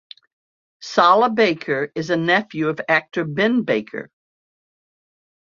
Sala Baker is a nephew of actor Ben Baker.